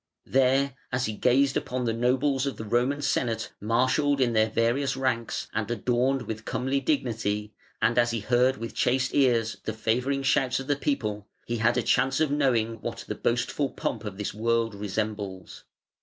There, as he gazed upon the nobles of the Roman Senate marshalled in their various ranks and adorned with comely dignity, and as he heard with chaste ears the favouring shouts of the people, he had a chance of knowing what the boastful pomp of this world resembles.